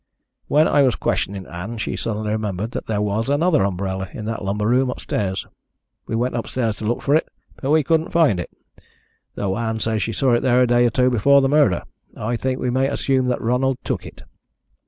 While I was questioning Ann she suddenly remembered that there was another umbrella in that lumber room upstairs. We went upstairs to look for it, but we couldn't find it, though Ann says she saw it there a day or two before the murder. I think we may assume that Ronald took it."